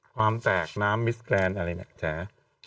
ความแตกน้ำมิสกแลนด์อะไรยังแบบแฉอ